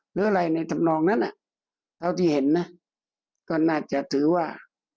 หรืออะไรในธรรมนองนั้นเท่าที่เห็นนะก็น่าจะถือว่า